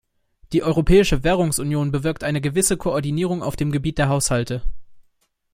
Die Europäische Währungsunion bewirkt eine gewisse Koordinierung auf dem Gebiet der Haushalte.